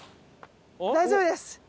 大丈夫？